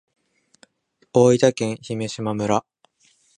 大分県姫島村